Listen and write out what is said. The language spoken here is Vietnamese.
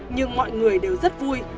nhưng mọi người đều rất vui